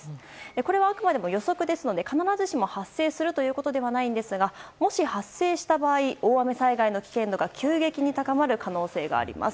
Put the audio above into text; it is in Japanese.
これはあくまでも予測ですので必ずしも発生するということではないですがもし発生した場合大雨災害の危険度が急激に高まる可能性があります。